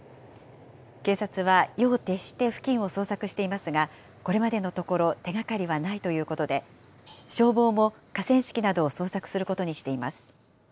警察は夜を徹して付近を捜索していますが、これまでのところ手がかりはないということで、消防も河川敷などを捜索することにしています。